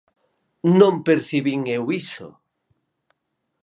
Non percibín eu iso.